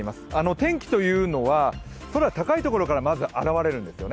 天気というのは空高いところからまず現れるんですよね。